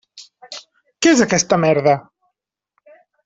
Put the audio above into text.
Què és aquesta merda?